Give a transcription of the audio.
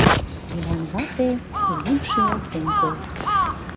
Йыван вате кугун шӱлалтен колтыш.